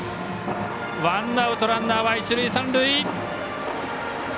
ワンアウト、ランナーは一塁三塁。